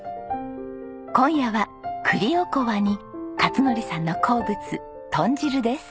今夜は栗おこわに勝則さんの好物豚汁です。